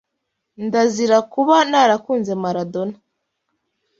Ndazira kuba narakunze Maradona,